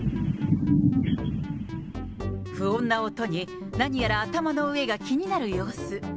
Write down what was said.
不穏な音に、何やら頭の上が気になる様子。